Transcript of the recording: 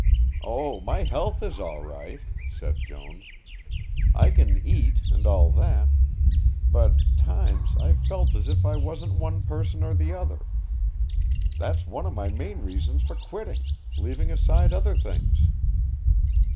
"Oh, my health is all right," said Jones. "I can eat and all that, but, times, I've felt as if I wasn't one person or the other, that's one of my main reasons for quitting, leaving aside other things.